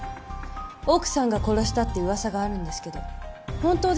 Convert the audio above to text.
奥さんが殺したって噂があるんですけど本当ですか？